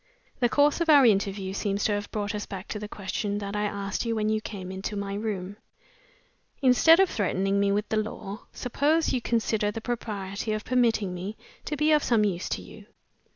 "The course of our interview seems to have brought us back to the question that I asked you when you came into my room. Instead of threatening me with the law, suppose you consider the propriety of permitting me to be of some use to you.